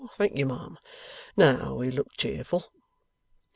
Thank you, ma'am. Now, we look cheerful.